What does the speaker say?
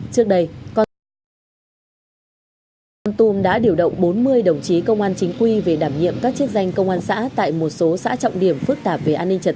trước đây con tùm đã điều động bốn mươi đồng chí công an chính quy về đảm nhiệm các chiếc danh công an xã tại một số xã trọng điểm phức tạp về an ninh trật tự